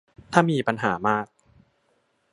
ถ้ามีปัญหามาก